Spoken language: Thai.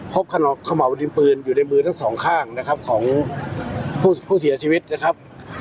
พรพคมัวดินปืนอยู่ในมือทั้ง๒ข้างของผู้เสียชีวิตนะครับ